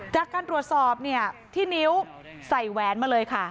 จากการตรวจสอบเนี่ยที่นิ้วใส่แหวนมาเลยค่ะ